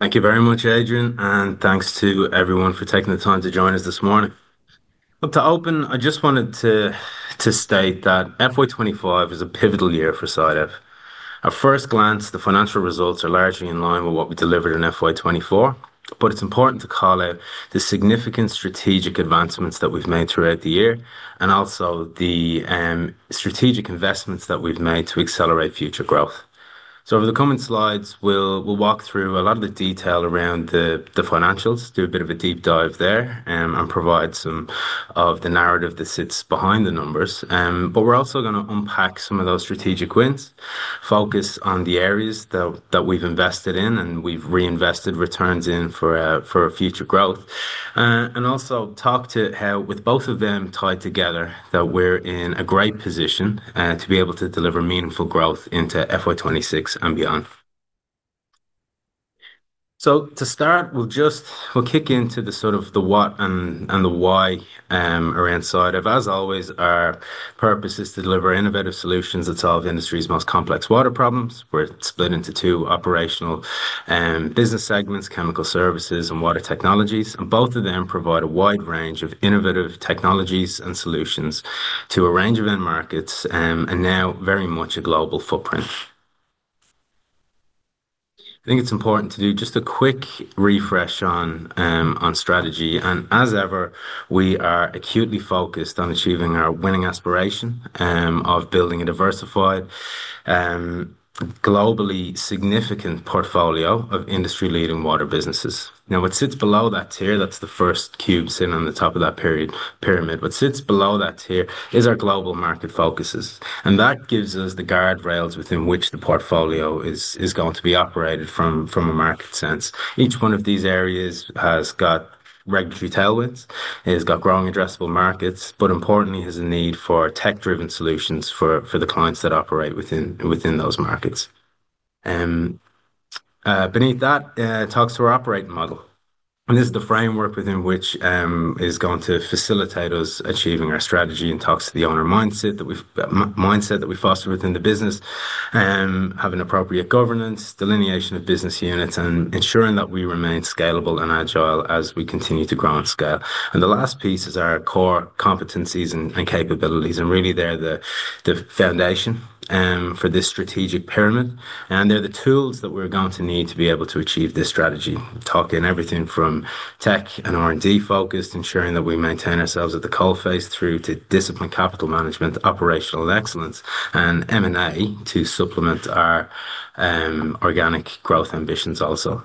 Thank you very much, Adrian, and thanks to everyone for taking the time to join us this morning. To open, I just wanted to state that FY 2025 is a pivotal year for SciDev. At first glance, the financial results are largely in line with what we delivered in FY 2024, but it's important to call out the significant strategic advancements that we've made throughout the year and also the strategic investments that we've made to accelerate future growth. Over the coming slides, we'll walk through a lot of the detail around the financials, do a bit of a deep dive there, and provide some of the narrative that sits behind the numbers. We're also going to unpack some of those strategic wins, focus on the areas that we've invested in and we've reinvested returns in for our future growth, and also talk to how, with both of them tied together, we're in a great position to be able to deliver meaningful growth into FY 2026 and beyond. To start, we'll just kick into the sort of the what and the why around SciDev. As always, our purpose is to deliver innovative solutions that solve the industry's most complex water problems. We're split into two operational business segments: chemical services and water technologies. Both of them provide a wide range of innovative technologies and solutions to a range of end markets and now very much a global footprint. I think it's important to do just a quick refresh on strategy. As ever, we are acutely focused on achieving our winning aspiration of building a diversified, globally significant portfolio of industry-leading water businesses. What sits below that tier, that's the first cube seen on the top of that pyramid. What sits below that tier is our global market focuses, and that gives us the guardrails within which the portfolio is going to be operated from a market sense. Each one of these areas has got regulatory tailwinds, has got growing addressable markets, but importantly, has a need for tech-driven solutions for the clients that operate within those markets. Beneath that, it talks to our operating model, and this is the framework within which it is going to facilitate us achieving our strategy. It talks to the owner mindset that we foster within the business, having appropriate governance, delineation of business units, and ensuring that we remain scalable and agile as we continue to grow and scale. The last piece is our core competencies and capabilities, and really, they're the foundation for this strategic pyramid, and they're the tools that we're going to need to be able to achieve this strategy. Talking everything from tech and R&D focused, ensuring that we maintain ourselves at the coal face through to disciplined capital management, operational excellence, and M&A to supplement our organic growth ambitions also.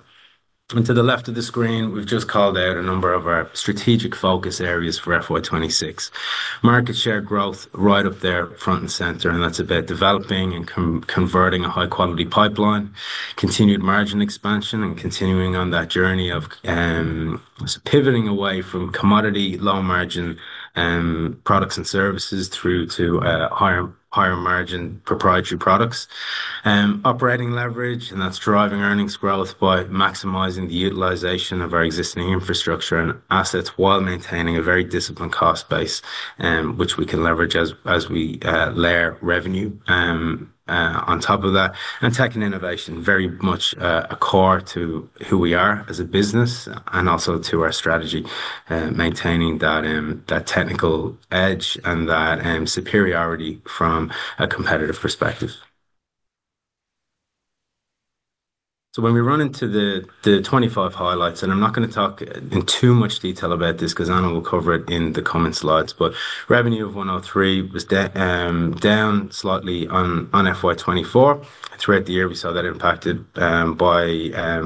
To the left of the screen, we've just called out a number of our strategic focus areas for FY 2026. Market share growth right up there, front and center, and that's about developing and converting a high-quality pipeline, continued margin expansion, and continuing on that journey of pivoting away from commodity low-margin products and services through to higher margin proprietary products. Operating leverage, and that's driving earnings growth by maximizing the utilization of our existing infrastructure and assets while maintaining a very disciplined cost base, which we can leverage as we layer revenue on top of that. Tech and innovation are very much a core to who we are as a business and also to our strategy, maintaining that technical edge and that superiority from a competitive perspective. When we run into the 2025 highlights, I'm not going to talk in too much detail about this because Anna will cover it in the common slides, but revenue of $103 million was down slightly on FY 2024. Throughout the year, we saw that impacted by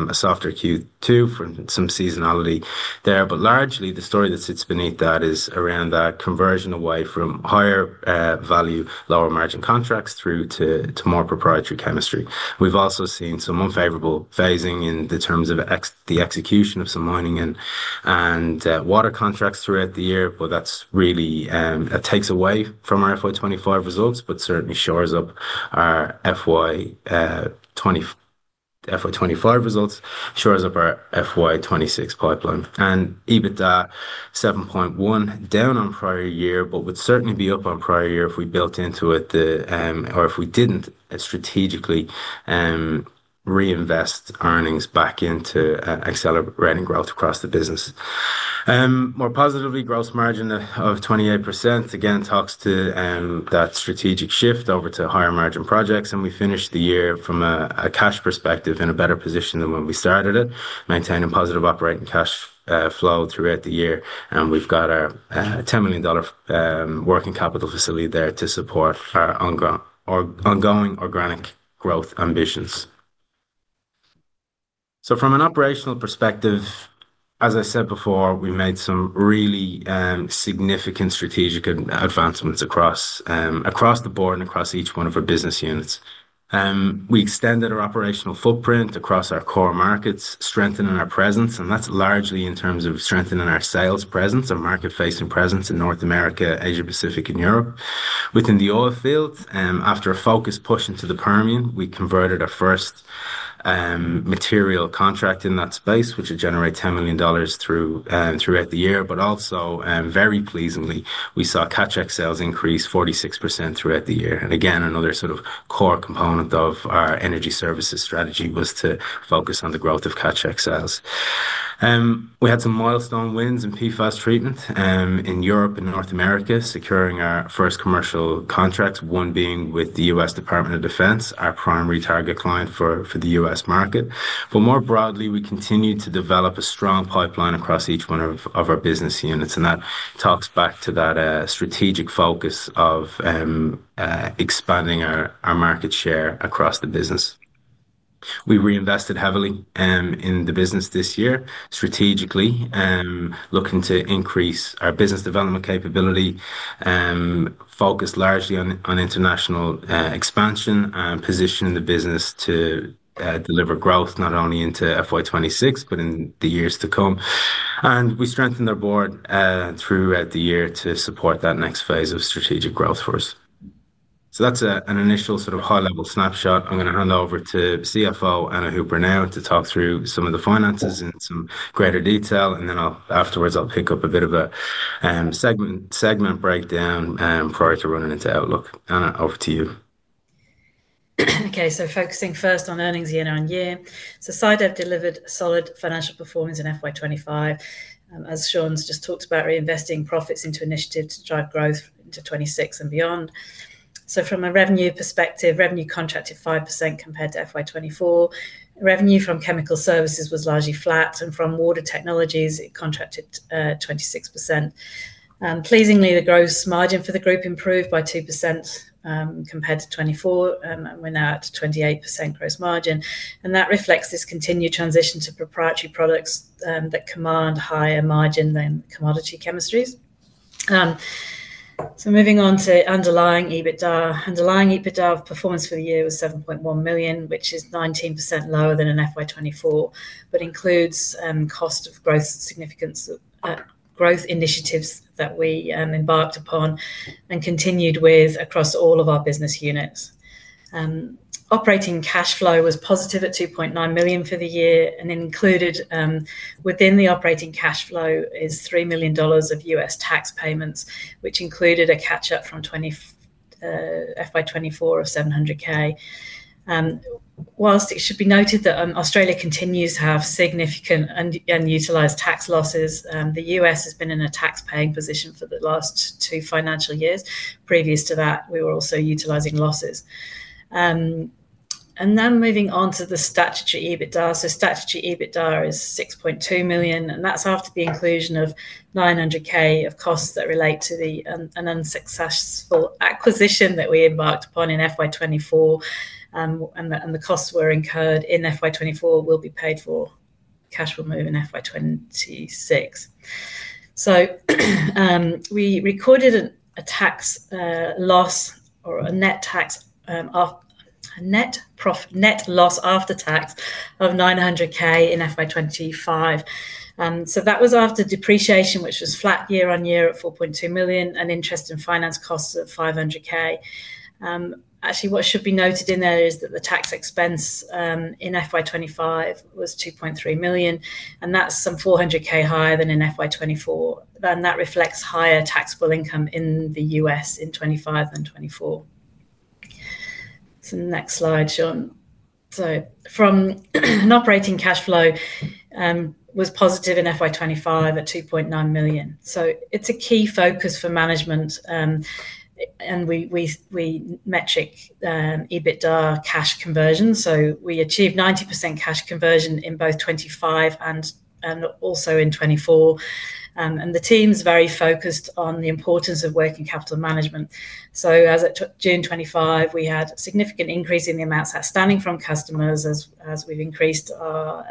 a softer Q2 from some seasonality there, but largely, the story that sits beneath that is around that conversion away from higher value, lower margin contracts through to more proprietary chemistry. We've also seen some unfavorable phasing in the terms of the execution of some mining and water contracts throughout the year, but that really takes away from our FY 2025 results, but certainly shores up our FY 2025 results, shores up our FY 2026 pipeline. EBITDA $7.1 million, down on prior year, but would certainly be up on prior year if we built into it or if we didn't strategically reinvest earnings back into accelerating growth across the business. More positively, gross margin of 28%, again, talks to that strategic shift over to higher margin projects, and we finished the year from a cash perspective in a better position than when we started it, maintaining positive operating cash flow throughout the year. We've got our $10 million working capital facility there to support our ongoing organic growth ambitions. From an operational perspective, as I said before, we made some really significant strategic advancements across the board and across each one of our business units. We extended our operational footprint across our core markets, strengthening our presence, and that's largely in terms of strengthening our sales presence, our market-facing presence in North America, Asia-Pacific, and Europe. Within the oil field, after a focused push into the Permian, we converted our first material contract in that space, which would generate $10 million throughout the year. Also, very pleasingly, we saw CapEx sales increase 46% throughout the year. Again, another sort of core component of our energy services strategy was to focus on the growth of CapEx sales. We had some milestone wins in PFAS treatment in Europe and North America, securing our first commercial contracts, one being with the U.S. Department of Defense, our primary target client for the U.S. market. More broadly, we continued to develop a strong pipeline across each one of our business units, and that talks back to that strategic focus of expanding our market share across the business. We reinvested heavily in the business this year, strategically looking to increase our business development capability, focused largely on international expansion and positioning the business to deliver growth not only into FY 2026, but in the years to come. We strengthened our board throughout the year to support that next phase of strategic growth for us. That's an initial sort of high-level snapshot. I'm going to hand over to the CFO, Anna Hooper, now to talk through some of the finances in some greater detail, and then afterwards, I'll pick up a bit of a segment breakdown prior to running into outlook. Anna, over to you. Okay, focusing first on earnings year-on-year. SciDev delivered solid financial performance in FY 2025, as Seán's just talked about, reinvesting profits into initiatives to drive growth into 2026 and beyond. From a revenue perspective, revenue contracted 5% compared to FY 2024. Revenue from chemical services was largely flat, and from water technologies, it contracted 26%. Pleasingly, the gross margin for the group improved by 2% compared to 2024, and we're now at 28% gross margin, and that reflects this continued transition to proprietary products that command higher margin than commodity chemistries. Moving on to underlying EBITDA, underlying EBITDA performance for the year was $7.1 million, which is 19% lower than in FY 2024, but includes cost of growth significance, growth initiatives that we embarked upon and continued with across all of our business units. Operating cash flow was positive at $2.9 million for the year, and included within the operating cash flow is $3 million of U.S. tax payments, which included a catch-up from FY 2024 of $0.7 million. Whilst it should be noted that Australia continues to have significant unutilized tax losses, the U.S. has been in a tax-paying position for the last two financial years. Previous to that, we were also utilizing losses. Moving on to the statutory EBITDA, statutory EBITDA is $6.2 million, and that's after the inclusion of $900,000 of costs that relate to an unsuccessful acquisition that we embarked upon in FY 2024, and the costs were incurred in FY 2024 will be paid for cash removed in FY 2026. We recorded a tax loss or a net loss after tax of $900,000 in FY 2025. That was after depreciation, which was flat year-on-year at $4.2 million and interest and finance costs at $500,000 million. What should be noted in there is that the tax expense in FY 2025 was $2.3 million, and that's some $400,000 million higher than in FY 2024, and that reflects higher taxable income in the U.S. in 2025 than 2024. Next slide, Seán. From an operating cash flow, it was positive in FY 2025 at $2.9 million. It's a key focus for management, and we metric EBITDA cash conversion. We achieved 90% cash conversion in both 2025 and also in 2024, and the team's very focused on the importance of working capital management. As of June 2025, we had a significant increase in the amounts outstanding from customers as we've increased our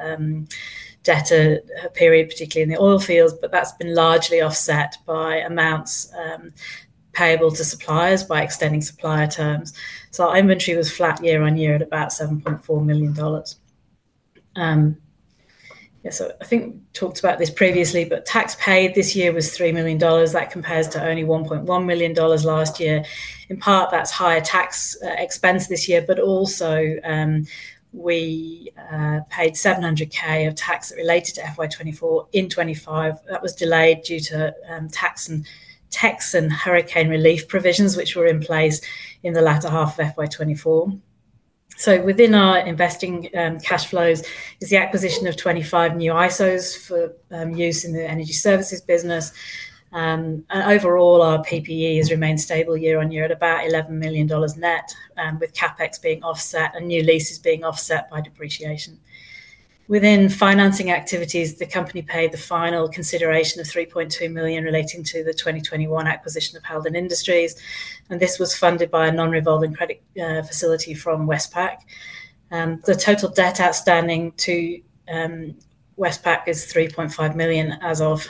debt to a period, particularly in the oil field, but that's been largely offset by amounts payable to suppliers by extending supplier terms. Our inventory was flat year-on-year at about $7.4 million. I think we talked about this previously, but tax paid this year was $3 million. That compares to only $1.1 million last year. In part, that's higher tax expense this year, but also we paid $700,000 of tax related to FY 2024 in 2025. That was delayed due to tax and hurricane relief provisions, which were in place in the latter half of FY 2024. Within our investing cash flows is the acquisition of 25 new ISOs for use in the energy services business, and overall, our PPE has remained stable year-on-year at about $11 million net, with CapEx being offset and new leases being offset by depreciation. Within financing activities, the company paid the final consideration of $3.2 million relating to the 2021 acquisition of Holden Industries, and this was funded by a non-revolving credit facility from Westpac. The total debt outstanding to Westpac is $3.5 million as of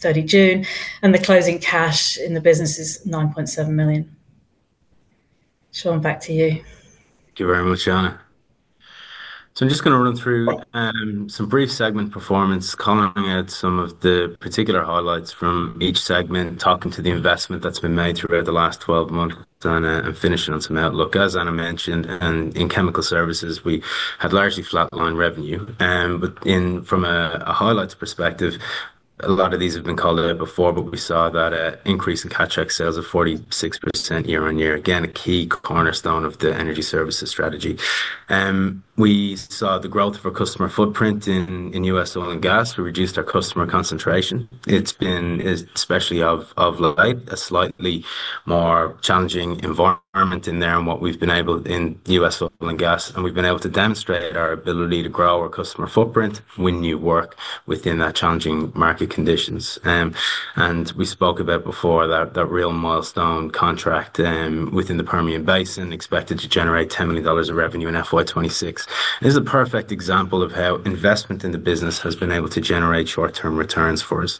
30 June, and the closing cash in the business is $9.7 million. Seán, back to you. Thank you very much, Anna. I'm just going to run through some brief segment performance, calling out some of the particular highlights from each segment and talking to the investment that's been made throughout the last 12 months and finishing on some outlook. As Anna mentioned, in chemical services, we had largely flat line revenue, but from a highlights perspective, a lot of these have been called out before, but we saw that increase in CapEx sales of 46% year-on-year, again, a key cornerstone of the energy services strategy. We saw the growth of our customer footprint in U.S. oil and gas. We reduced our customer concentration. It's been especially of late, a slightly more challenging environment in there in what we've been able in U.S. oil and gas, and we've been able to demonstrate our ability to grow our customer footprint when you work within that challenging market conditions. We spoke about before that real milestone contract within the Permian Basin expected to generate $10 million of revenue in FY 2026. This is a perfect example of how investment in the business has been able to generate short-term returns for us.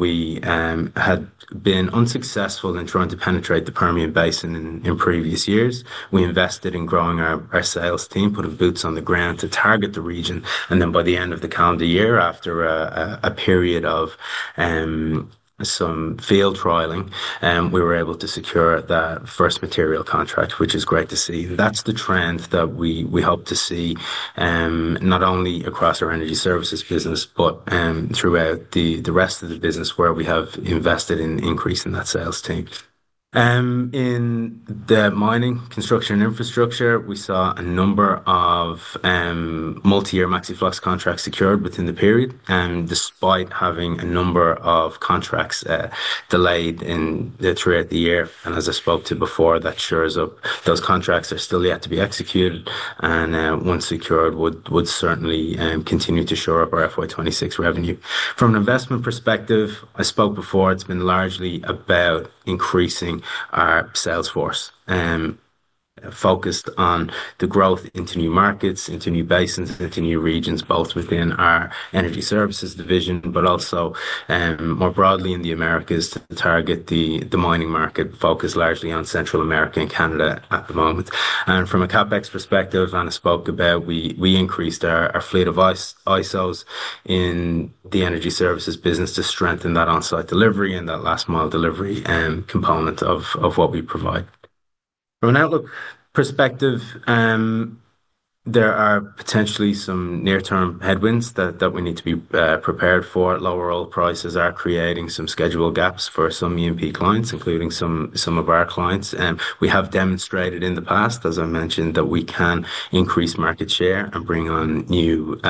We had been unsuccessful in trying to penetrate the Permian Basin in previous years. We invested in growing our sales team, put our boots on the ground to target the region, and by the end of the calendar year, after a period of some field trialing, we were able to secure that first material contract, which is great to see. That's the trend that we hope to see not only across our energy services business, but throughout the rest of the business where we have invested in increasing that sales team. In the mining, construction, and infrastructure, we saw a number of multi-year Maxiflos contracts secured within the period, despite having a number of contracts delayed throughout the year. As I spoke to before, that shores up those contracts are still yet to be executed, and once secured, would certainly continue to shore up our FY 2026 revenue. From an investment perspective, I spoke before, it's been largely about increasing our sales force, focused on the growth into new markets, into new basins, into new regions, both within our energy services division, but also more broadly in the Americas to target the mining market, focused largely on Central America and Canada at the moment. From a CapEx perspective, Anna spoke about we increased our fleet of ISOs in the energy services business to strengthen that onsite delivery and that last mile delivery component of what we provide. From an outlook perspective, there are potentially some near-term headwinds that we need to be prepared for. Lower oil prices are creating some schedule gaps for some EMP clients, including some of our clients. We have demonstrated in the past, as I mentioned, that we can increase market share and bring on new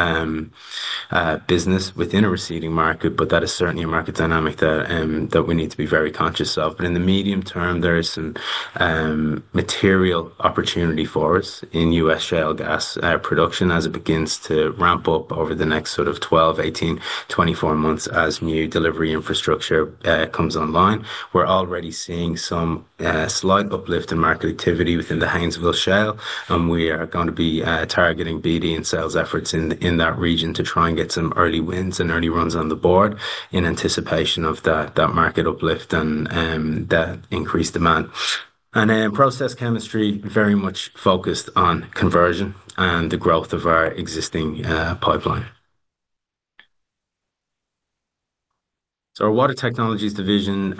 business within a receiving market, but that is certainly a market dynamic that we need to be very conscious of. In the medium term, there is some material opportunity for us in U.S. shale gas production as it begins to ramp up over the next sort of 12, 18, 24 months as new delivery infrastructure comes online. We're already seeing some slight uplift in market activity within the Haynesville Shale, and we are going to be targeting BD and sales efforts in that region to try and get some early wins and early runs on the board in anticipation of that market uplift and that increased demand. In process chemistry, very much focused on conversion and the growth of our existing pipeline. Our water technologies division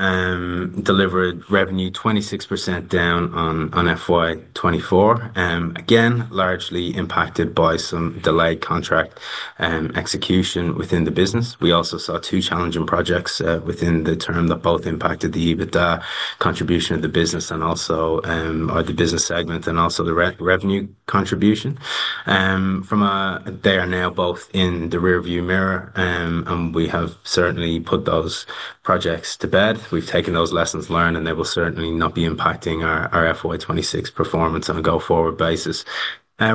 delivered revenue 26% down on FY 2024, and again, largely impacted by some delayed contract execution within the business. We also saw two challenging projects within the term that both impacted the EBITDA contribution of the business and also the business segment and also the revenue contribution. They are now both in the rearview mirror, and we have certainly put those projects to bed. We've taken those lessons learned, and they will certainly not be impacting our FY 2026 performance on a go-forward basis.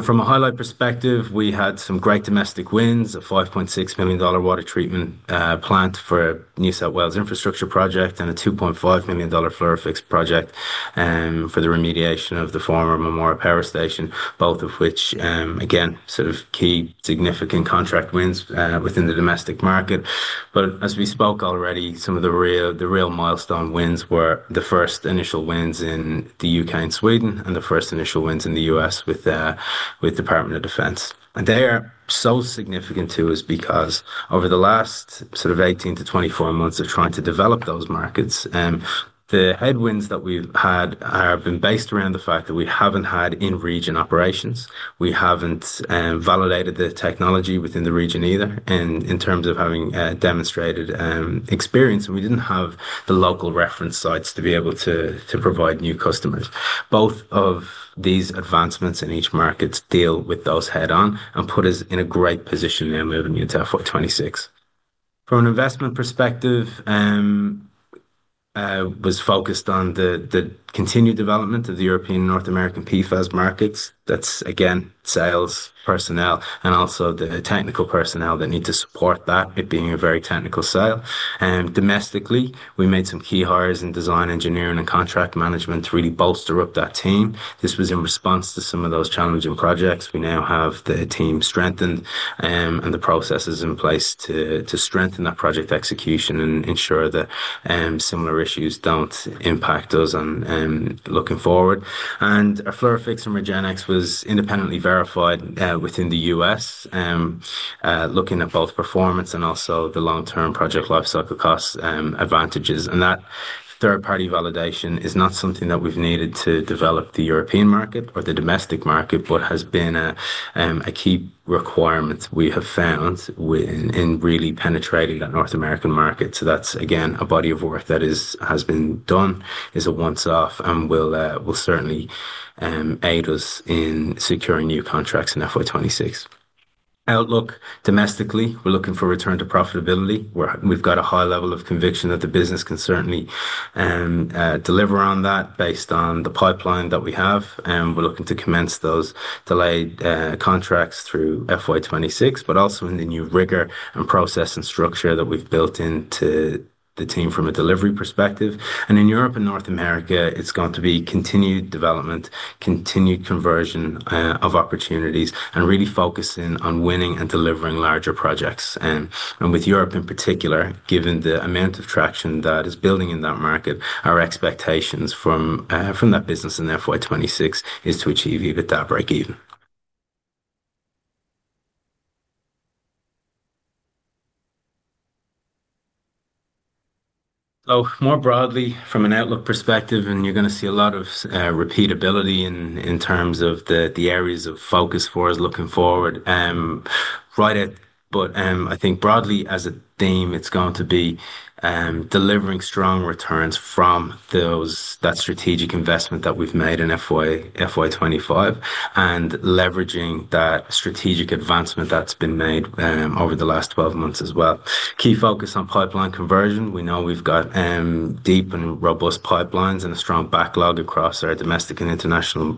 From a highlight perspective, we had some great domestic wins, a $5.6 million water treatment plant for a New South Wales infrastructure project and a $2.5 million fluorophilic project for the remediation of the former Memorial Paris Station, both of which, again, sort of key significant contract wins within the domestic market. As we spoke already, some of the real milestone wins were the first initial wins in the U.K. and Sweden and the first initial wins in the U.S. with the Department of Defense. They are so significant to us because over the last sort of 18 to 24 months of trying to develop those markets, the headwinds that we've had have been based around the fact that we haven't had in-region operations. We haven't validated the technology within the region either in terms of having demonstrated experience, and we didn't have the local reference sites to be able to provide new customers. Both of these advancements in each market deal with those head-on and put us in a great position now moving into FY 2026. From an investment perspective, I was focused on the continued development of the European and North American PFAS markets. That's, again, sales, personnel, and also the technical personnel that need to support that, it being a very technical sale. Domestically, we made some key hires in design, engineering, and contract management to really bolster up that team. This was in response to some of those challenging projects. We now have the team strengthened and the processes in place to strengthen that project execution and ensure that similar issues don't impact us looking forward. Our fluorophilics and Regenexx was independently verified within the U.S., looking at both performance and also the long-term project lifecycle cost advantages. That third-party validation is not something that we've needed to develop the European market or the domestic market, but has been a key requirement we have found in really penetrating that North American market. That's, again, a body of work that has been done, is a once-off, and will certainly aid us in securing new contracts in FY 2026. Outlook domestically, we're looking for return to profitability. We've got a high level of conviction that the business can certainly deliver on that based on the pipeline that we have. We're looking to commence those delayed contracts through FY 2026, but also in the new rigor and process and structure that we've built into the team from a delivery perspective. In Europe and North America, it's going to be continued development, continued conversion of opportunities, and really focusing on winning and delivering larger projects. With Europe in particular, given the amount of traction that is building in that market, our expectations from that business in FY 2026 is to achieve EBITDA break even. More broadly, from an outlook perspective, you're going to see a lot of repeatability in terms of the areas of focus for us looking forward. Right. I think broadly, as a theme, it's going to be delivering strong returns from that strategic investment that we've made in FY 2025 and leveraging that strategic advancement that's been made over the last 12 months as well. Key focus on pipeline conversion. We know we've got deep and robust pipelines and a strong backlog across our domestic and international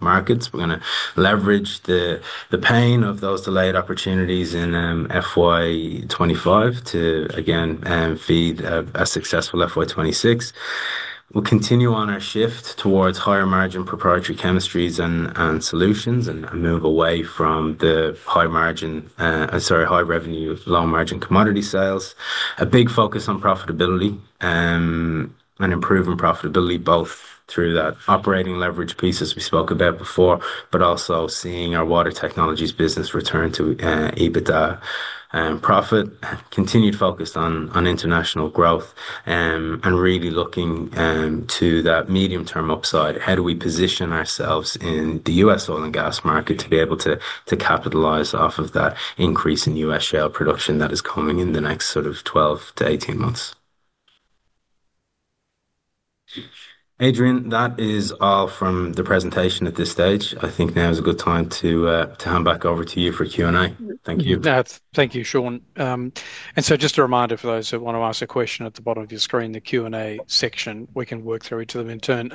markets. We're going to leverage the pain of those delayed opportunities in FY 2025 to, again, feed a successful FY 2026. We'll continue on our shift towards higher margin proprietary chemistries and solutions and move away from the high revenue, low margin commodity sales. A big focus on profitability and improving profitability both through that operating leverage piece as we spoke about before, but also seeing our water technologies business return to EBITDA profit, continued focus on international growth, and really looking to that medium-term upside. How do we position ourselves in the U.S. oil and gas market to be able to capitalize off of that increase in U.S. shale production that is coming in the next sort of 12-18 months? Adrian, that is all from the presentation at this stage. I think now is a good time to hand back over to you for Q&A. Thank you. Thank you, Seán. Just a reminder for those that want to ask a question, at the bottom of your screen, the Q&A section, we can work through each of them in turn.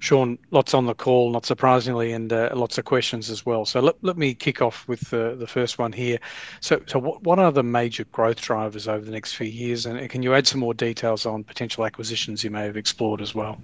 Seán, lots on the call, not surprisingly, and lots of questions as well. Let me kick off with the first one here. What are the major growth drivers over the next few years, and can you add some more details on potential acquisitions you may have explored as well?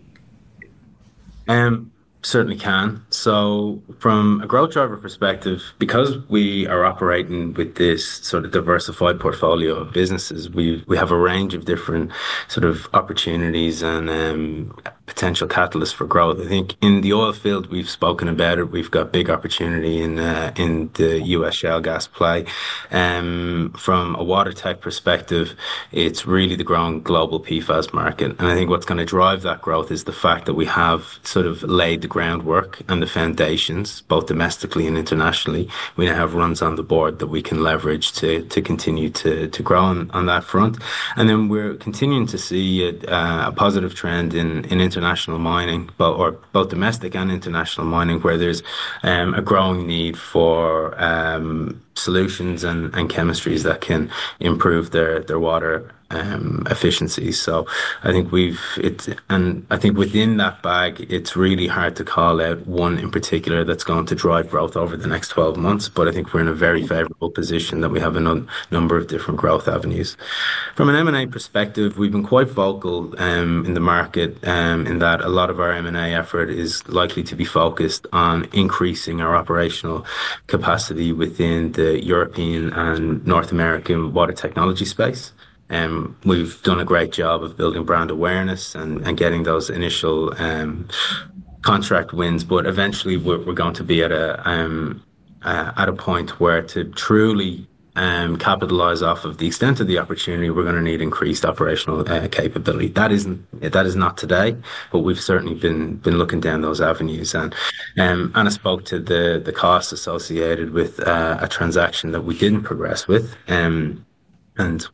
Certainly can. From a growth driver perspective, because we are operating with this sort of diversified portfolio of businesses, we have a range of different sort of opportunities and potential catalysts for growth. I think in the oil field, we've spoken about it. We've got big opportunity in the U.S. shale gas play. From a water tech perspective, it's really the growing global PFAS market, and I think what's going to drive that growth is the fact that we have sort of laid the groundwork and the foundations both domestically and internationally. We now have runs on the board that we can leverage to continue to grow on that front. We're continuing to see a positive trend in international mining, both domestic and international mining, where there's a growing need for solutions and chemistries that can improve their water efficiency. I think within that bag, it's really hard to call out one in particular that's going to drive growth over the next 12 months, but I think we're in a very favorable position that we have a number of different growth avenues. From an M&A perspective, we've been quite vocal in the market in that a lot of our M&A effort is likely to be focused on increasing our operational capacity within the European and North American water technology space. We've done a great job of building brand awareness and getting those initial contract wins, but eventually, we're going to be at a point where to truly capitalize off of the extent of the opportunity, we're going to need increased operational capability. That is not today, but we've certainly been looking down those avenues. Anna spoke to the cost associated with a transaction that we didn't progress with, and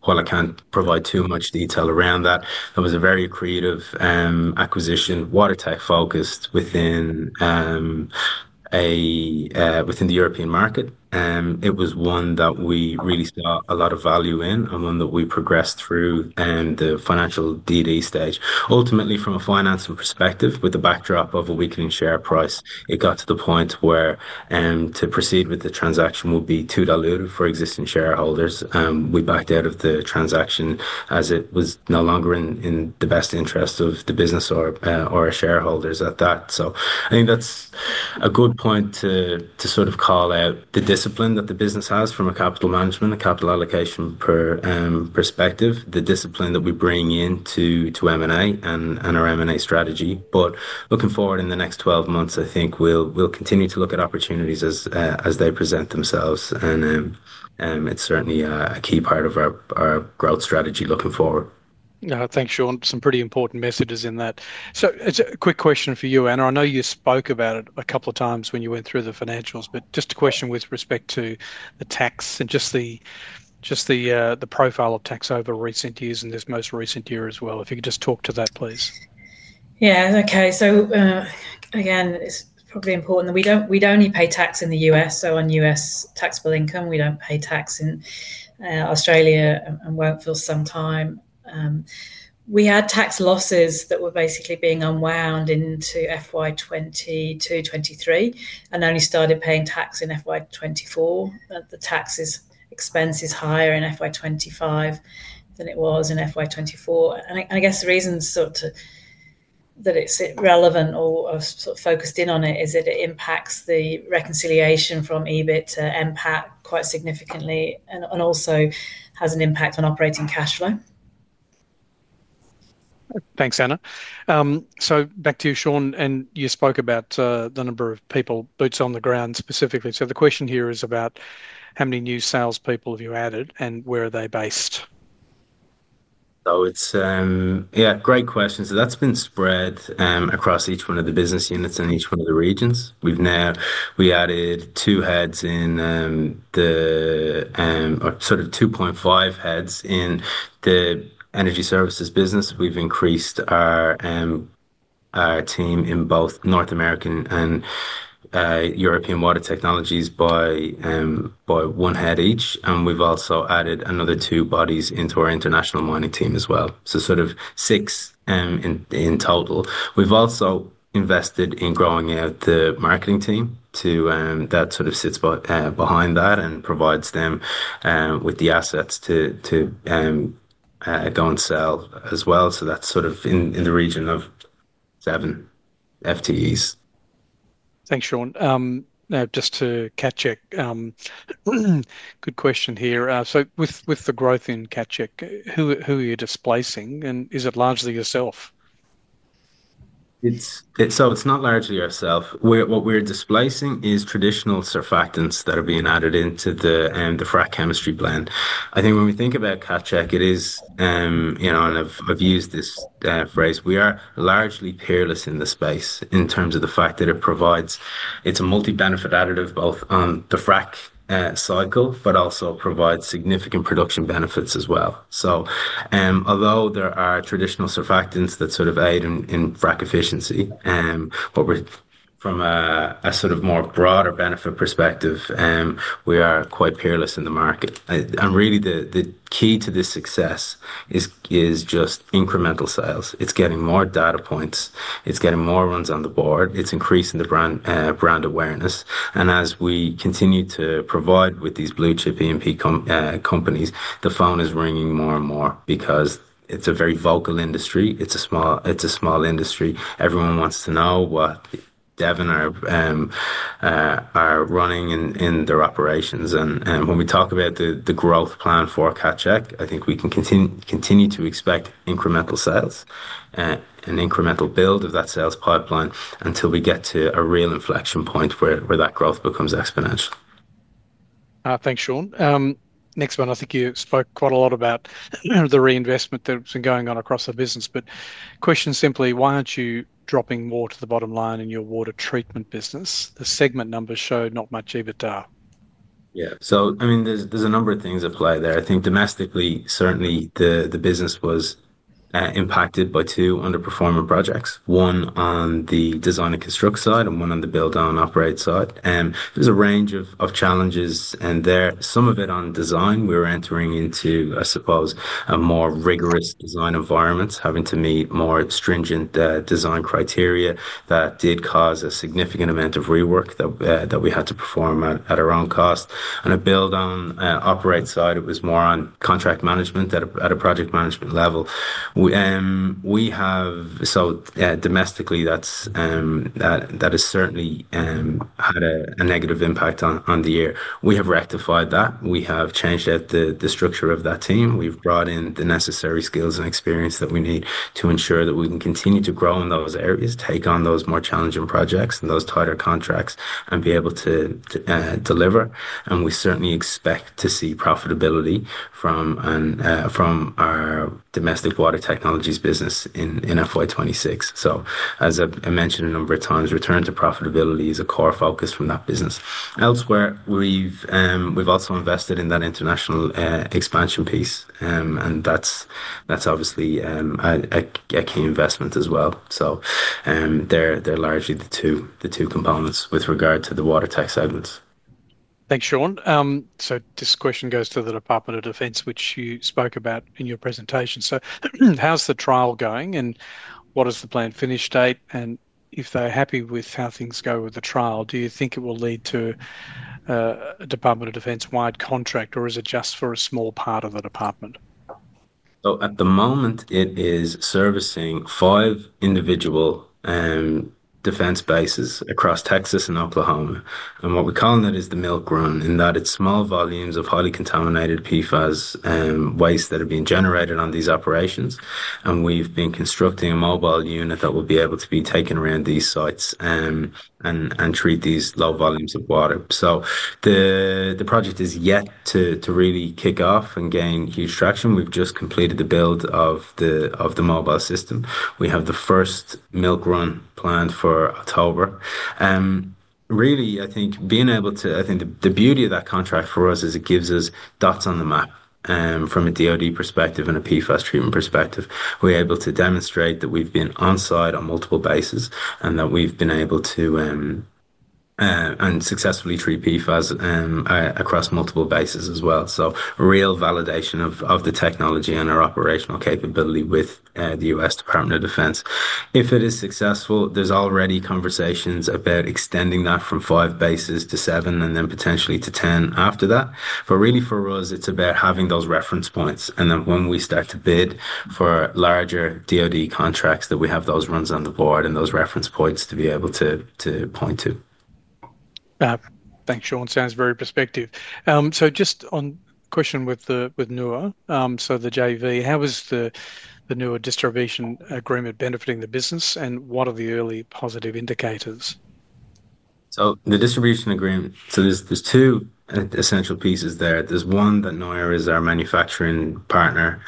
while I can't provide too much detail around that, that was a very creative acquisition, water tech focused within the European market. It was one that we really saw a lot of value in and one that we progressed through the financial DD stage. Ultimately, from a financing perspective, with the backdrop of a weakening share price, it got to the point where to proceed with the transaction would be too diluted for existing shareholders. We backed out of the transaction as it was no longer in the best interest of the business or our shareholders at that. I think that's a good point to sort of call out the discipline that the business has from a capital management, a capital allocation perspective, the discipline that we bring into M&A and our M&A strategy. Looking forward in the next 12 months, I think we'll continue to look at opportunities as they present themselves, and it's certainly a key part of our growth strategy looking forward. Thanks, Seán. Some pretty important messages in that. A quick question for you, Anna. I know you spoke about it a couple of times when you went through the financials, just a question with respect to the tax and just the profile of tax over recent years and this most recent year as well. If you could just talk to that, please. Yeah, okay. It's probably important that we don't only pay tax in the U.S., so on U.S. taxable income, we don't pay tax in Australia and won't for some time. We had tax losses that were basically being unwound into FY 2022, 2023 and only started paying tax in FY 2024. The tax expense is higher in FY 2025 than it was in FY 2024, and I guess the reasons that it's relevant or sort of focused in on it is that it impacts the reconciliation from EBIT to NPAT quite significantly and also has an impact on operating cash flow. Thanks, Anna. Back to you, Seán, you spoke about the number of people, boots on the ground specifically. The question here is about how many new salespeople have you added and where are they based? Oh, it's yeah, great question. That's been spread across each one of the business units in each one of the regions. We've now added two heads in the sort of 2.5 heads in the energy services business. We've increased our team in both North American and European water technologies by one head each, and we've also added another two bodies into our international mining team as well, so sort of six in total. We've also invested in growing out the marketing team that sits behind that and provides them with the assets to go and sell as well. That's in the region of seven FTEs. Thanks, Seán. Now, just to catch up, good question here. With the growth in CatChek, who are you displacing, and is it largely yourself? It's not largely ourselves. What we're displacing is traditional surfactants that are being added into the frac chemistry blend. I think when we think about CatChek, it is, and I've used this phrase, we are largely peerless in the space in terms of the fact that it provides, it's a multi-benefit additive both on the frac cycle, but also provides significant production benefits as well. Although there are traditional surfactants that sort of aid in frac efficiency, from a more broader benefit perspective, we are quite peerless in the market. Really, the key to this success is just incremental sales. It's getting more data points, it's getting more runs on the board, it's increasing the brand awareness, and as we continue to provide with these blue chip EMP companies, the phone is ringing more and more because it's a very vocal industry. It's a small industry. Everyone wants to know what Devon are running in their operations, and when we talk about the growth plan for CatChek, I think we can continue to expect incremental sales and incremental build of that sales pipeline until we get to a real inflection point where that growth becomes exponential. Thanks, Seán. Next one, I think you spoke quite a lot about the reinvestment that's been going on across the business, but question simply, why aren't you dropping more to the bottom line in your water treatment business? The segment numbers show not much EBITDA. Yeah, so, I mean, there's a number of things at play there. I think domestically, certainly, the business was impacted by two underperforming projects, one on the design and construct side and one on the build and operate side. There's a range of challenges in there, some of it on design. We were entering into, I suppose, a more rigorous design environment, having to meet more stringent design criteria that did cause a significant amount of rework that we had to perform at our own cost. On the build and operate side, it was more on contract management at a project management level. Domestically, that has certainly had a negative impact on the year. We have rectified that. We have changed the structure of that team. We've brought in the necessary skills and experience that we need to ensure that we can continue to grow in those areas, take on those more challenging projects and those tighter contracts, and be able to deliver. We certainly expect to see profitability from our domestic water technologies business in FY 2026. As I mentioned a number of times, return to profitability is a core focus from that business. Elsewhere, we've also invested in that international expansion piece, and that's obviously a key investment as well. They're largely the two components with regard to the water tech segments. Thanks, Seán. This question goes to the U.S. Department of Defense, which you spoke about in your presentation. How's the trial going and what is the planned finish date? If they're happy with how things go with the trial, do you think it will lead to a U.S. Department of Defense-wide contract, or is it just for a small part of the department? At the moment, it is servicing five individual defense bases across Texas and Oklahoma, and what we're calling that is the milk run in that it's small volumes of highly contaminated PFAS waste that are being generated on these operations. We've been constructing a mobile unit that will be able to be taken around these sites and treat these low volumes of water. The project is yet to really kick off and gain huge traction. We've just completed the build of the mobile system. We have the first milk run planned for October. I think the beauty of that contract for us is it gives us dots on the map from a U.S. Department of Defense perspective and a PFAS treatment perspective. We're able to demonstrate that we've been on site on multiple bases and that we've been able to successfully treat PFAS across multiple bases as well. Real validation of the technology and our operational capability with the U.S. Department of Defense. If it is successful, there's already conversations about extending that from five bases to seven and then potentially to 10 after that. For us, it's about having those reference points and then when we start to bid for larger U.S. Department of Defense contracts that we have those runs on the board and those reference points to be able to point to. Thanks, Seán. Sounds very perspective. Just on question with Nua, the JV, how is the Nua distribution agreement benefiting the business, and what are the early positive indicators? The distribution agreement has two essential pieces. One is that Nua is our manufacturing partner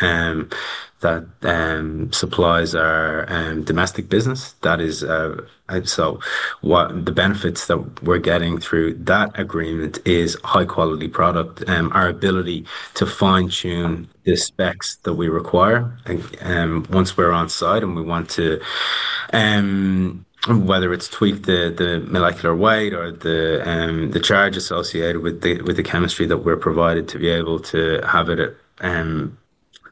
that supplies our domestic business. The benefits that we're getting through that agreement are high-quality product and our ability to fine-tune the specs that we require. Once we're on site and we want to, whether it's tweak the molecular weight or the charge associated with the chemistry that we're provided, to be able to have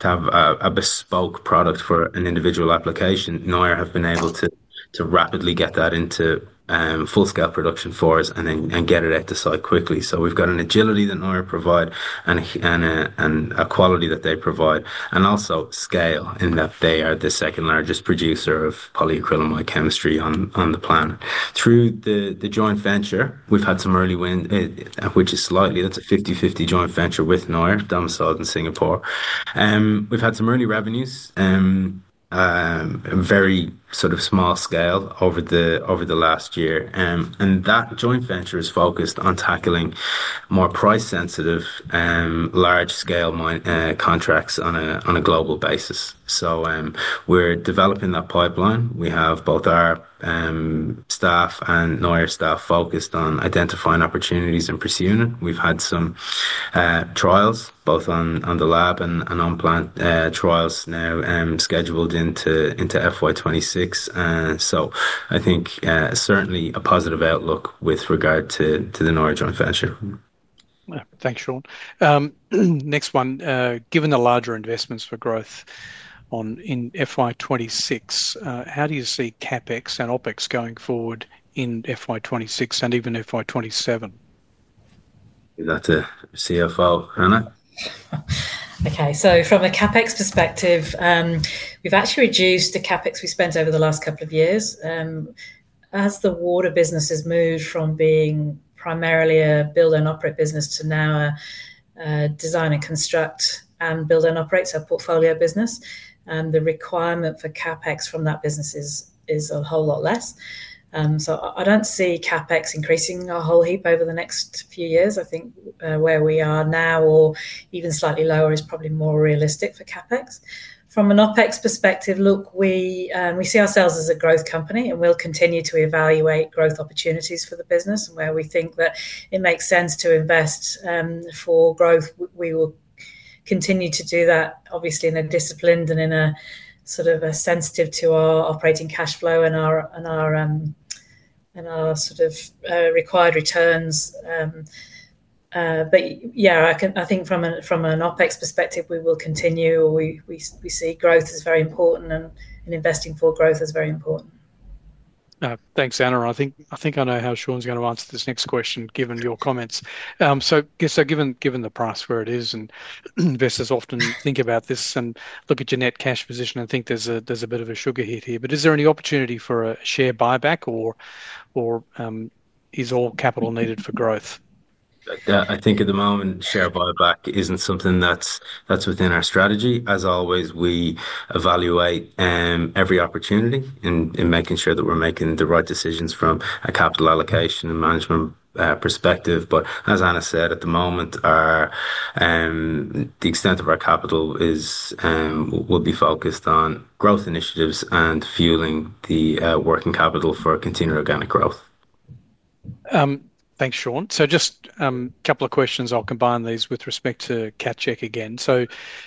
a bespoke product for an individual application, Nua has been able to rapidly get that into full-scale production for us and get it out to site quickly. We've got an agility that Nua provides, a quality that they provide, and also scale in that they are the second largest producer of polyacrylamide chemistry on the planet. Through the joint venture, we've had some early wins, which is a 50/50 joint venture with Nua, Damsol, and Singapore. We've had some early revenues and very small scale over the last year, and that joint venture is focused on tackling more price-sensitive large-scale contracts on a global basis. We're developing that pipeline. We have both our staff and Nua staff focused on identifying opportunities and pursuing them. We've had some trials both on the lab and on-plant trials now scheduled into FY 2026. I think certainly a positive outlook with regard to the Nua joint venture. Thanks, Seán. Next one, given the larger investments for growth in FY 2026, how do you see CapEx and OpEx going forward in FY 2026 and even FY 2027? Is that a CFO, Anna? Okay, from a CapEx perspective, we've actually reduced the CapEx we spent over the last couple of years. As the water business has moved from being primarily a build and operate business to now a design and construct and build and operate a portfolio business, the requirement for CapEx from that business is a whole lot less. I don't see CapEx increasing a whole heap over the next few years. I think where we are now or even slightly lower is probably more realistic for CapEx. From an OpEx perspective, we see ourselves as a growth company and we'll continue to evaluate growth opportunities for the business and where we think that it makes sense to invest for growth. We will continue to do that, obviously in a disciplined and in a sort of sensitive to our operating cash flow and our sort of required returns. I think from an OpEx perspective, we will continue. We see growth as very important and investing for growth is very important. Thanks, Anna. I think I know how Seán's going to answer this next question given your comments. Given the price where it is and investors often think about this and look at your net cash position, I think there's a bit of a sugar hit here, but is there any opportunity for a share buyback or is all capital needed for growth? I think at the moment, share buyback isn't something that's within our strategy. As always, we evaluate every opportunity in making sure that we're making the right decisions from a capital allocation and management perspective. As Anna said, at the moment, the extent of our capital will be focused on growth initiatives and fueling the working capital for continued organic growth. Thanks, Seán. Just a couple of questions. I'll combine these with respect to CatChek again.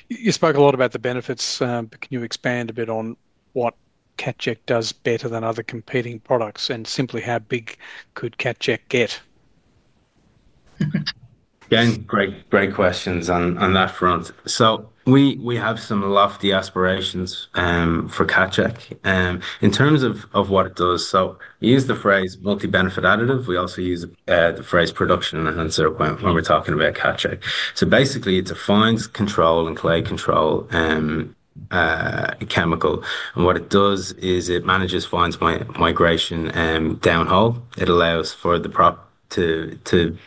You spoke a lot about the benefits, but can you expand a bit on what CatChek does better than other competing products, and simply how big could CatChek get? Again, great questions on that front. We have some lofty aspirations for CatChek in terms of what it does. We use the phrase multi-benefit additive. We also use the phrase production and an uncertain when we're talking about CatChek. Basically, it's a fines control and clay control chemical, and what it does is it manages fines migration downhole. It allows for the product to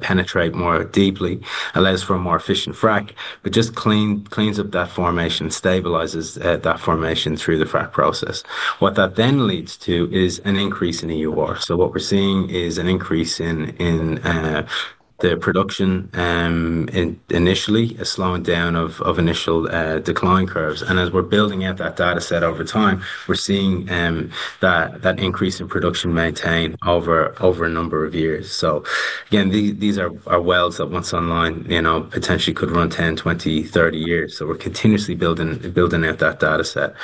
penetrate more deeply, allows for a more efficient frac, and just cleans up that formation, stabilizes that formation through the frac process. What that then leads to is an increase in EOR. What we're seeing is an increase in the production initially, a slowing down of initial decline curves, and as we're building out that data set over time, we're seeing that increase in production maintained over a number of years. These are wells that once online, you know, potentially could run 10, 20, 30 years. We're continuously building out that data set.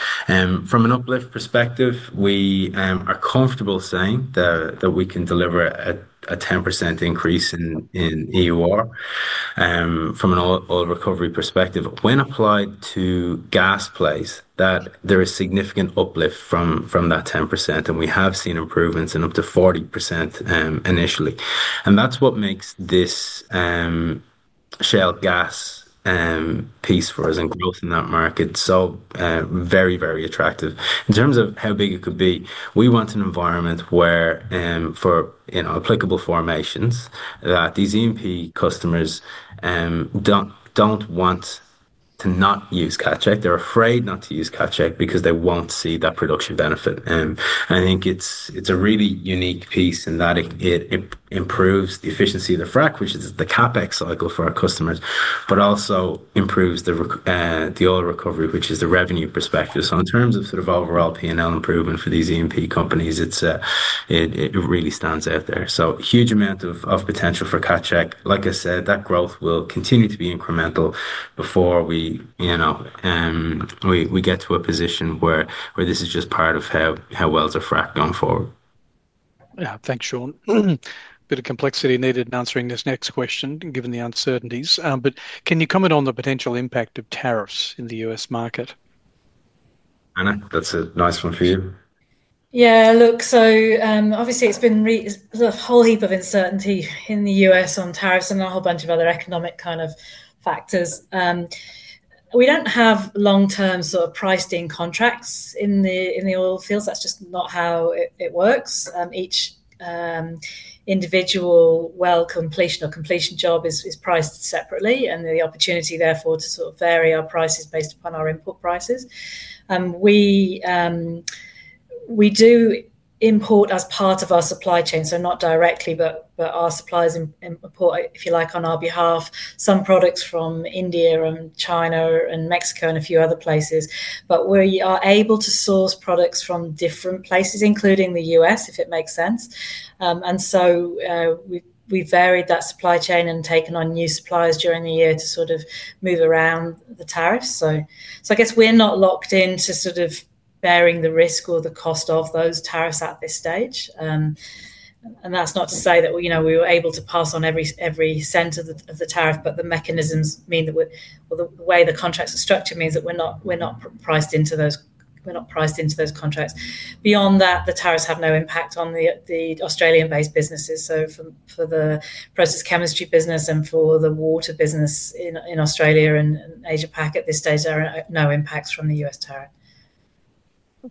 From an uplift perspective, we are comfortable saying that we can deliver a 10% increase in EOR. From an oil recovery perspective, when applied to gas plays, there is significant uplift from that 10%, and we have seen improvements in up to 40% initially. That's what makes this shale gas piece for us and growth in that market so very, very attractive. In terms of how big it could be, we want an environment where for applicable formations these EMP customers don't want to not use CatChek. They're afraid not to use CatChek because they won't see that production benefit. I think it's a really unique piece in that it improves the efficiency of the frac, which is the CapEx cycle for our customers, and also improves the oil recovery, which is the revenue perspective. In terms of sort of overall P&L improvement for these EMP companies, it really stands out there. A huge amount of potential for CatChek. Like I said, that growth will continue to be incremental before we get to a position where this is just part of how wells are frac going forward. Yeah, thanks, Seán. Bit of complexity needed in answering this next question given the uncertainties, but can you comment on the potential impact of tariffs in the U.S. market? Anna, that's a nice one for you. Yeah, look, obviously there's been a whole heap of uncertainty in the U.S. on tariffs and a whole bunch of other economic kind of factors. We don't have long-term sort of priced-in contracts in the oil fields. That's just not how it works. Each individual well completion or completion job is priced separately, and the opportunity therefore to sort of vary our prices is based upon our input prices. We do import as part of our supply chain, so not directly, but our suppliers import, if you like, on our behalf some products from India and China and Mexico and a few other places. We are able to source products from different places, including the U.S., if it makes sense. We've varied that supply chain and taken on new suppliers during the year to move around the tariffs. I guess we're not locked into bearing the risk or the cost of those tariffs at this stage, and that's not to say that we were able to pass on every cent of the tariff, but the mechanisms mean that the way the contracts are structured means that we're not priced into those contracts. Beyond that, the tariffs have no impact on the Australian-based businesses. For the process chemistry business and for the water business in Australia and Asia-Pacific at this stage, there are no impacts from the U.S. tariff.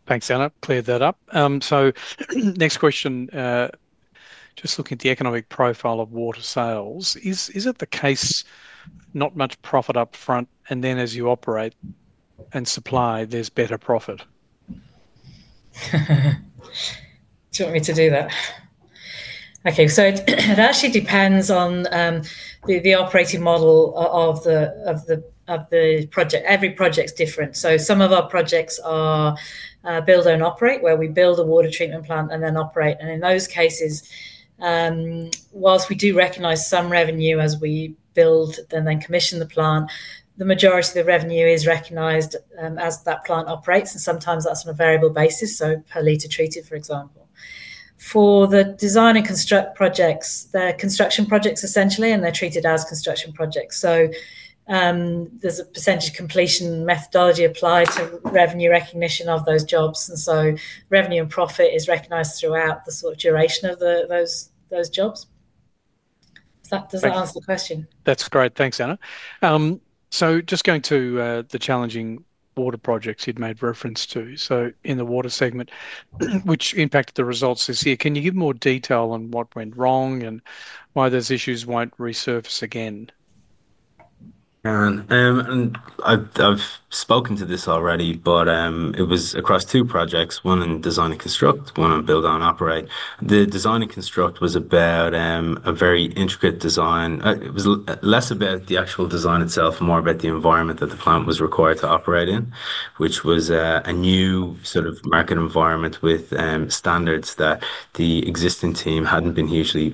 Thanks, Anna. Cleared that up. Next question, just looking at the economic profile of water sales, is it the case not much profit upfront, and then as you operate and supply, there's better profit? Okay, so it actually depends on the operating model of the project. Every project's different. Some of our projects are build and operate, where we build a water treatment plant and then operate, and in those cases, whilst we do recognize some revenue as we build and then commission the plant, the majority of the revenue is recognized as that plant operates, and sometimes that's on a variable basis, so per liter treated, for example. For the design and construct projects, they're construction projects essentially, and they're treated as construction projects. There's a percentage completion methodology applied to revenue recognition of those jobs, and revenue and profit is recognized throughout the sort of duration of those jobs. Does that answer the question? That's great. Thanks, Anna. Going to the challenging water projects you'd made reference to, in the water segment, which impacted the results this year, can you give more detail on what went wrong and why those issues won't resurface again? I've spoken to this already, but it was across two projects, one in design and construct, one in build and operate. The design and construct was about a very intricate design. It was less about the actual design itself and more about the environment that the plant was required to operate in, which was a new sort of market environment with standards that the existing team hadn't been hugely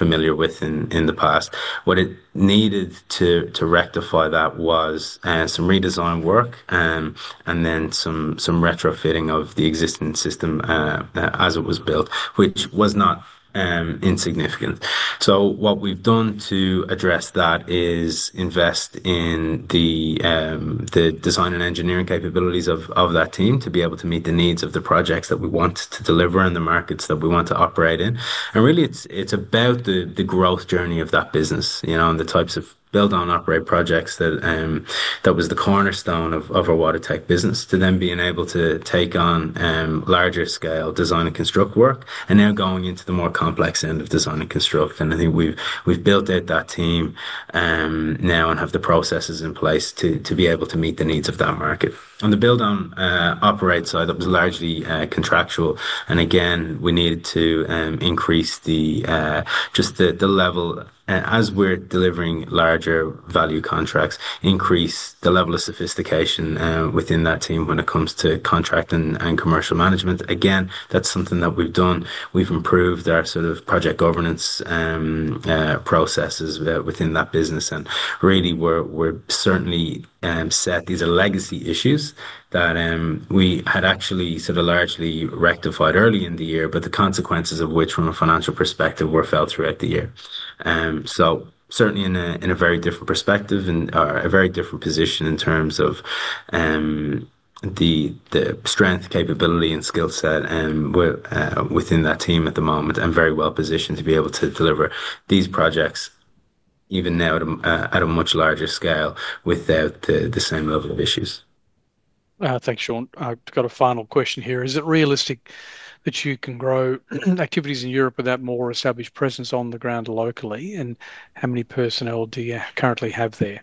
familiar with in the past. What it needed to rectify that was some redesign work and then some retrofitting of the existing system as it was built, which was not insignificant. What we've done to address that is invest in the design and engineering capabilities of that team to be able to meet the needs of the projects that we want to deliver and the markets that we want to operate in. It's about the growth journey of that business, you know, and the types of build and operate projects that was the cornerstone of our water tech business to then being able to take on larger scale design and construct work and now going into the more complex end of design and construct. I think we've built out that team now and have the processes in place to be able to meet the needs of that market. On the build and operate side, that was largely contractual, and we needed to increase just the level as we're delivering larger value contracts, increase the level of sophistication within that team when it comes to contract and commercial management. That's something that we've done. We've improved our sort of project governance processes within that business, and we're certainly set. These are legacy issues that we had actually sort of largely rectified early in the year, but the consequences of which from a financial perspective were felt throughout the year. Certainly in a very different perspective and a very different position in terms of the strength, capability, and skill set within that team at the moment and very well positioned to be able to deliver these projects even now at a much larger scale without the same level of issues. Thanks, Seán. I've got a final question here. Is it realistic that you can grow activities in Europe without more established presence on the ground locally, and how many personnel do you currently have there?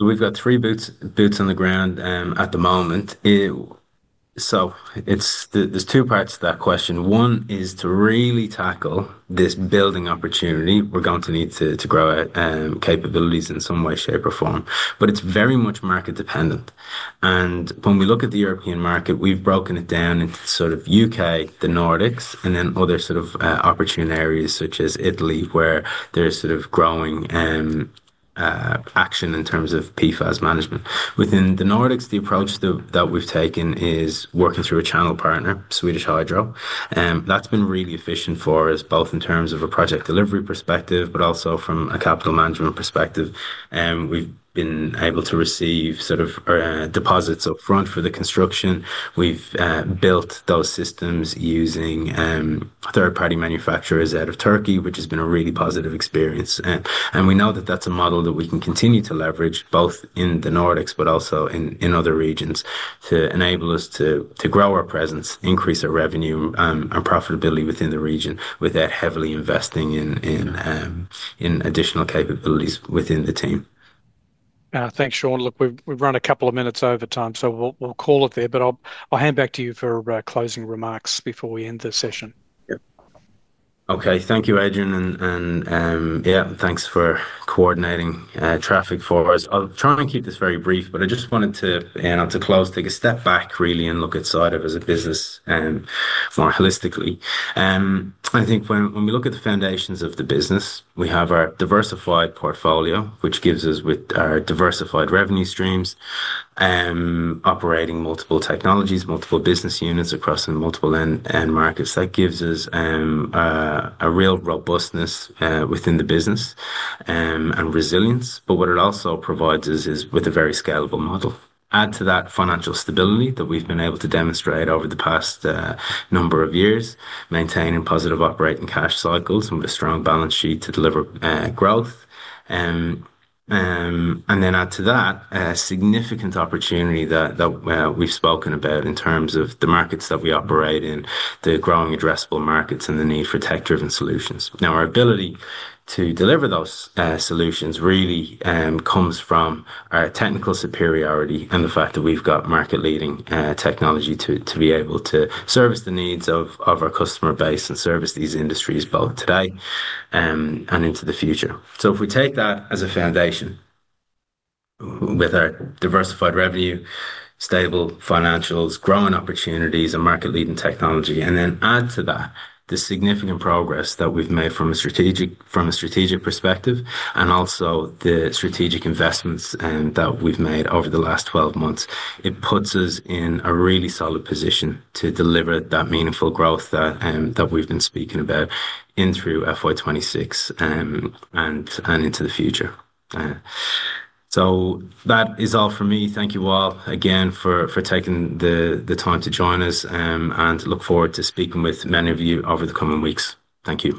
We've got three boots on the ground at the moment. There are two parts to that question. One is to really tackle this building opportunity. We're going to need to grow our capabilities in some way, shape, or form, but it's very much market dependent. When we look at the European market, we've broken it down into U.K., the Nordics, and other opportune areas such as Italy where there's growing action in terms of PFAS management. Within the Nordics, the approach that we've taken is working through a channel partner, Swedish Hydro. That's been really efficient for us both in terms of a project delivery perspective and from a capital management perspective. We've been able to receive deposits upfront for the construction. We've built those systems using third-party manufacturers out of Turkey, which has been a really positive experience. We know that that's a model that we can continue to leverage both in the Nordics and in other regions to enable us to grow our presence, increase our revenue, and our profitability within the region without heavily investing in additional capabilities within the team. Thanks, Seán. Look, we've run a couple of minutes over time, so we'll call it there, but I'll hand back to you for closing remarks before we end this session. Okay, thank you, Adrian, and yeah, thanks for coordinating traffic for us. I'll try and keep this very brief, but I just wanted to, Anna, to close, take a step back really and look at SciDev as a business more holistically. I think when we look at the foundations of the business, we have our diversified portfolio, which gives us with our diversified revenue streams, operating multiple technologies, multiple business units across multiple end markets. That gives us a real robustness within the business and resilience, but what it also provides us is with a very scalable model. Add to that financial stability that we've been able to demonstrate over the past number of years, maintaining positive operating cash cycles and with a strong balance sheet to deliver growth. Add to that a significant opportunity that we've spoken about in terms of the markets that we operate in, the growing addressable markets, and the need for tech-driven solutions. Now, our ability to deliver those solutions really comes from our technical superiority and the fact that we've got market-leading technology to be able to service the needs of our customer base and service these industries both today and into the future. If we take that as a foundation with our diversified revenue, stable financials, growing opportunities, and market-leading technology, and then add to that the significant progress that we've made from a strategic perspective and also the strategic investments that we've made over the last 12 months, it puts us in a really solid position to deliver that meaningful growth that we've been speaking about in through FY 2026 and into the future. That is all for me. Thank you all again for taking the time to join us and look forward to speaking with many of you over the coming weeks. Thank you.